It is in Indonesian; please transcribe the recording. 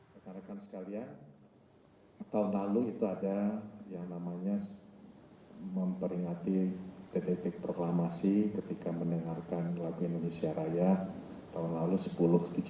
saya ingin mengingatkan sekalian tahun lalu itu ada yang namanya memperingati detik detik proklamasi ketika mendengarkan lagu indonesia raya tahun lalu sepuluh tujuh belas